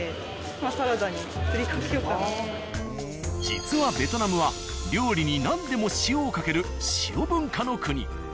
実はベトナムは料理に何でも塩をかける塩文化の国。